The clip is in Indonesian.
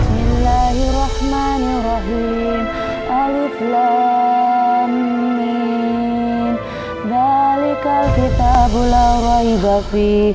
belikal kita bulau woi bavi